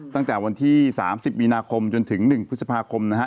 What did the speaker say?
ตั้งแต่วันที่๓๐มีนาคมจนถึง๑พฤษภาคมนะฮะ